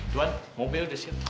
tuan mobil disini